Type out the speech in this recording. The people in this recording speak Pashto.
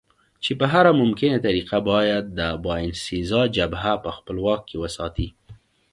چې په هره ممکنه طریقه باید د باینسېزا جبهه په خپل واک کې وساتي.